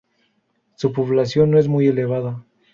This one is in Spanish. Su población no es muy elevada.